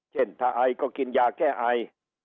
เช่นถ้าไอก็กินยาแก้ไอ